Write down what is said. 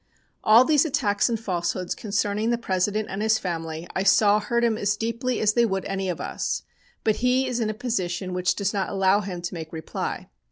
"All these attacks and falsehoods concerning the President and his family I saw hurt him as deeply as they would any of us, but he is in a position which does not allow him to make reply.